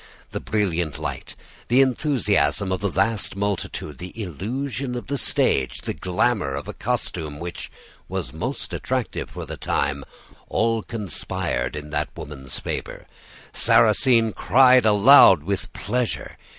The brilliant light, the enthusiasm of a vast multitude, the illusion of the stage, the glamour of a costume which was most attractive for the time, all conspired in that woman's favor. Sarrasine cried aloud with pleasure.